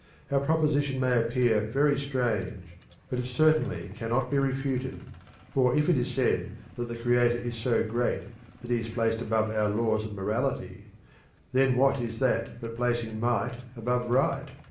Our proposition may appear very strange, but it certainly cannot be refuted; for if it is said that the Creator is so great that he is placed above our laws of morality, then what is that but placing Might above Right?